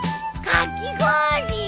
かき氷